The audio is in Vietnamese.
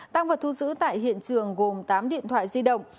tăng vật thu giữ tại hiện trường gồm tám điện thoại di động